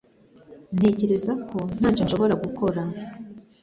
Ntekereza ko ntacyo nshobora gukora